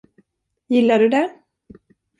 Gillar du det?